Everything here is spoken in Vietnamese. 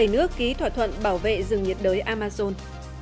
bảy nước ký thỏa thuận bảo vệ rừng nhiệt đới amazon